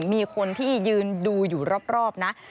มีคนที่ยืนดูอยู่รอบนะ